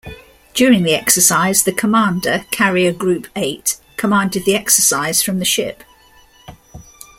During the exercise, the commander, Carrier Group Eight, commanded the exercise from the ship.